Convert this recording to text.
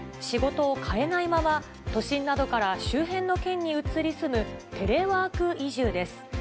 仕事を変えないまま、都心などから周辺の県に移り住むテレワーク移住です。